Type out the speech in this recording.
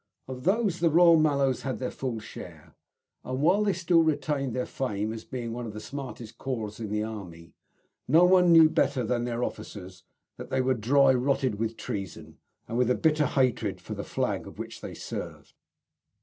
Of these the Royal Mallows had their full share; and, while they still retained their fame as being one of the smartest corps in the army, no one knew better than their officers that they were dry rotted with treason and with bitter hatred of the flag under which they served.